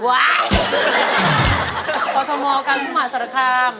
กฎมอค่ะครับกางทุ่งหาสารคาม